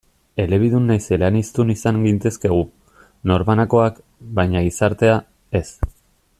Elebidun nahiz eleaniztun izan gintezke gu, norbanakoak, baina gizartea, ez.